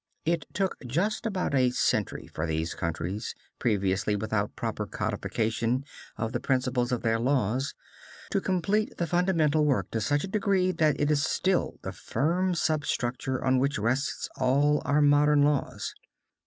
It took just about a century for these countries, previously without proper codification of the principles of their laws, to complete the fundamental work to such a degree, that it is still the firm substructure on which rests all our modern laws.